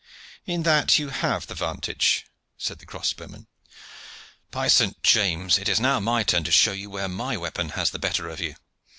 "In that you have vantage," said the crossbowman. "By Saint James! it is now my turn to show you where my weapon has the better of you.